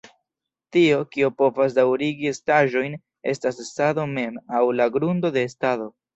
Tio, kio povas daŭrigi estaĵojn estas estado mem, aŭ la "grundo de estado.